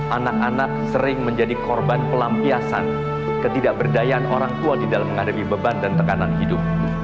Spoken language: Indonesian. anak anak sering menjadi korban pelampiasan ketidakberdayaan orang tua di dalam menghadapi beban dan tekanan hidup